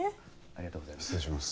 ありがとうございます。